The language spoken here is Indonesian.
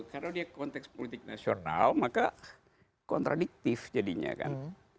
karena dia konteks politik nasional maka kontradiktif jadinya kan